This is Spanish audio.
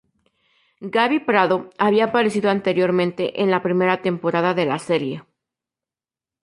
Gabi Prado había aparecido anteriormente en la primera temporada de la serie.